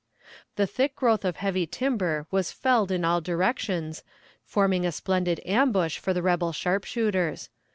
The thick growth of heavy timber was felled in all directions, forming a splendid ambush for the rebel sharpshooters.